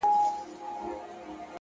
کومه ورځ چي تاته زه ښېرا کوم!!